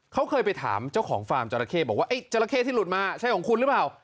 เขาเคยไปถามเจ้าของฟาร์มจราเข้บอกว่าไอ้จราเข้ที่หลุดมาใช่ของคุณหรือเปล่า